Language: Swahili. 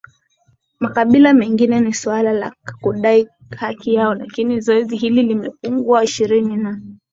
makabila mengine ni suala la kudai haki yao lakini zoezi hili limepungua Ishirini na